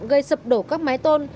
gây sập đổ các máy tôn